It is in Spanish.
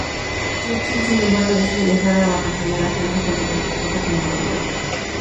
Churchill, sin embargo, decide viajar a vacacionar a Francia junto con su esposa Clementine.